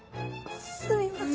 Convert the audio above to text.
すみません